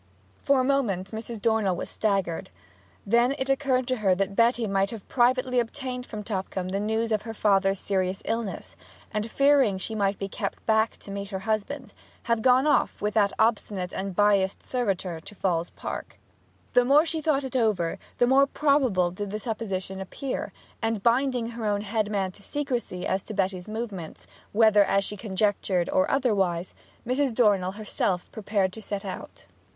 For a moment Mrs. Dornell was staggered. Then it occurred to her that Betty might have privately obtained from Tupcombe the news of her father's serious illness, and, fearing she might be kept back to meet her husband, have gone off with that obstinate and biassed servitor to Falls Park. The more she thought it over the more probable did the supposition appear; and binding her own head man to secrecy as to Betty's movements, whether as she conjectured, or otherwise, Mrs. Dornell herself prepared to set out.